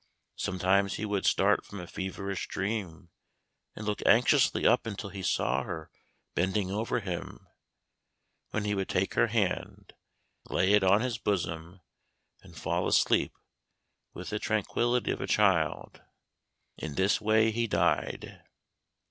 Sometimes he would start from a feverish dream, and look anxiously up until he saw her bending over him; when he would take her hand, lay it on his bosom, and fall asleep with the tranquillity of a child. In this way he died.